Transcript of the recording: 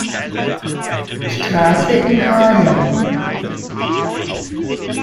Straße in Harlem.